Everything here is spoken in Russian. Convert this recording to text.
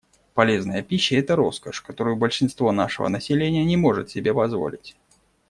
Полезная пища — это роскошь, которую большинство нашего населения не может себе позволить.